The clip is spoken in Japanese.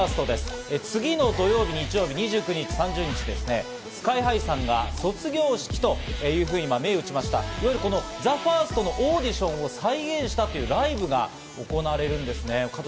次の土曜日・日曜日の２９日・３０日にＳＫＹ−ＨＩさんが卒業式というふうに名打ちました、ＴＨＥＦＩＲＳＴのオーディションを再現したというライブが行われるんですね。